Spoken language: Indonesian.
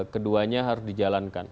keduanya harus dijalankan